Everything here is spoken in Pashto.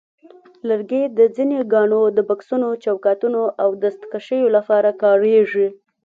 لرګي د ځینو ګاڼو د بکسونو، چوکاټونو، او دستکشیو لپاره کارېږي.